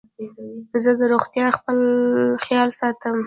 زه د روغتیا خیال ساتم.